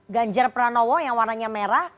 ganjar pranowo yang warnanya merah